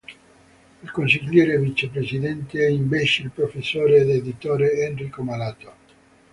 Il Consigliere Vicepresidente è invece il Professore ed editore Enrico Malato.